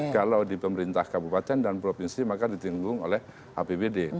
kalau di pemerintah kabupaten dan provinsi maka ditinggung oleh apbd